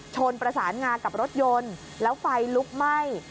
ชนประสานงากับรถยนต์แล้วไฟลุกไหม้